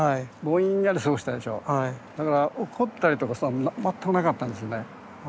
だから怒ったりとかしたの全くなかったんですよね。